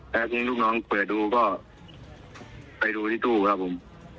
แล้วทีนี้ลูกน้องเปิดดูก็ไปดูที่ตู้ครับผม